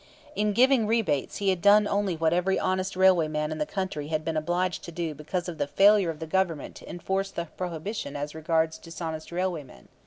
In giving rebates he had done only what every honest railway man in the country had been obliged to do because of the failure of the Government to enforce the prohibition as regards dishonest railway men.